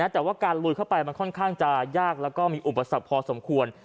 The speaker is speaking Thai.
แต่ว่าการลุยเข้าไปมันค่อนข้างจะยากแล้วก็มีอุปสรรคพอสมควร